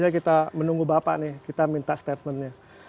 kita menunggu bapak kita minta statementnya